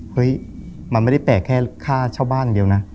เฮ้ยมันไม่ได้แปลกแค่ค่าเช่าบ้านอย่างเดียวนะ